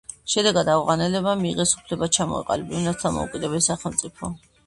შედეგად ავღანელებმა მიიღეს უფლება ჩამოეყალიბებინათ დამოუკიდებელი სახელმწიფო.